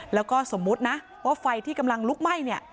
แล้วก็สมมุตินะว่าไฟที่กำลังลุกไหม้เนี่ย